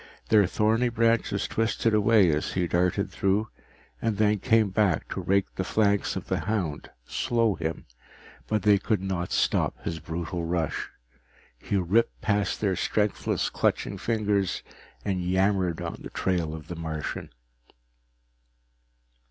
Their thorny branches twisted away as he darted through and then came back to rake the flanks of the hound, slow him but they could not stop his brutal rush. He ripped past their strengthless clutching fingers and yammered on the trail of the Martian.